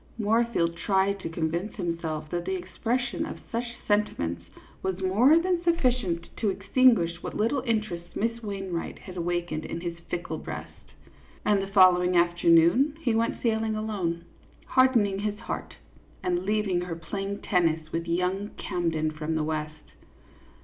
Moorfield tried to convince himself that the expression of such sentiments was more than suffi cient to extinguish what little interest Miss Wain wright had awakened in his fickle breast ; and the following afternoon he went sailing alone, hardening his heart, and leaving her playing tennis with young Camden from the West.